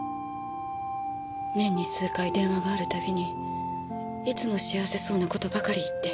年に数回電話があるたびにいつも幸せそうな事ばかり言って。